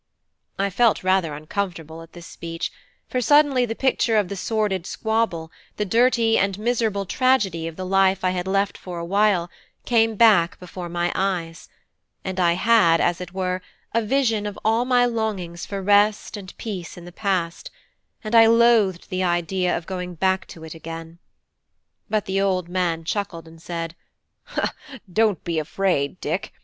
I felt rather uncomfortable at this speech, for suddenly the picture of the sordid squabble, the dirty and miserable tragedy of the life I had left for a while, came before my eyes; and I had, as it were, a vision of all my longings for rest and peace in the past, and I loathed the idea of going back to it again. But the old man chuckled and said: "Don't be afraid, Dick.